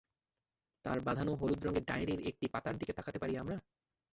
তাঁর বাঁধানো হলুদ রঙের ডায়েরির একটি পাতার দিকে তাকাতে পারি আমরা।